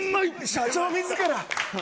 社長自ら！